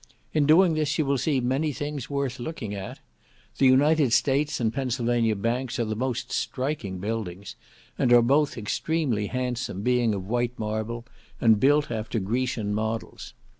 In doing this you will see many things worth looking at. The United States, and Pennsylvania banks, are the most striking buildings, and are both extremely handsome, being of white marble, and built after Grecian models.